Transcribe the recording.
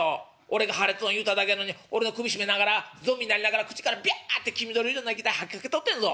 俺が破裂音言うただけやのに俺の首絞めながらゾンビになりながら口からビャッて黄緑色の液体吐きかけとってんぞ」。